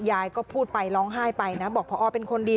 ยายก็พูดไปร้องไห้ไปนะบอกพอเป็นคนดี